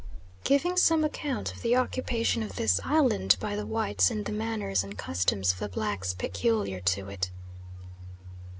Giving some account of the occupation of this island by the whites and the manners and customs of the blacks peculiar to it.